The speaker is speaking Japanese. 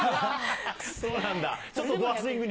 そうなんだ。